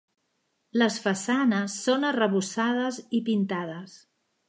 Les façanes són arrebossades i pintades.